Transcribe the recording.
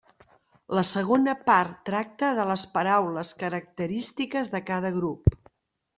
La segona part tracta de les paraules característiques de cada grup.